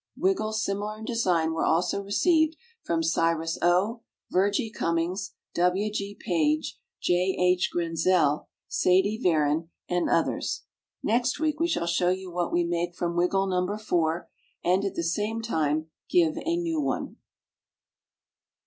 Wiggles similar in design were also received from Cyrus O., Virgie Cumings, W. G. Page, J. H. Grensel, Sadie Vairin, and others. Next week we shall show you what we make from wiggle No. 4, and at the same time give a new one.